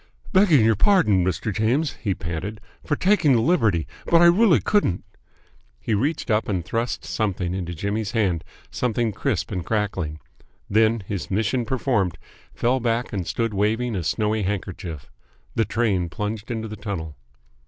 "Begging your pardon, Mr. James," he panted, "for taking the liberty, but I really couldn't!" He reached up and thrust something into Jimmy's hand, something crisp and crackling. Then, his mission performed, fell back and stood waving a snowy handkerchief. The train plunged into the tunnel.